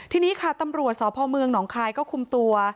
ทีนี้ค่ะตำรวจสพเมืองหนองคายก็คุมตัว